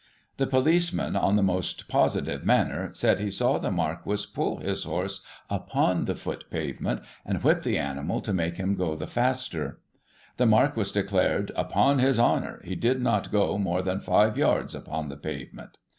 The policeman, in the most positive manner, said he saw the Marquis pull his horse upon the foot pavement, and whip the animal to make him go the faster. The Marquis declared, "upon his honour," he did not go more than five yards upon the pavement.